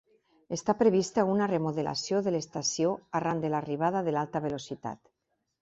Està prevista una remodelació de l'estació arran de l'arribada de l'alta velocitat.